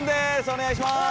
お願いします。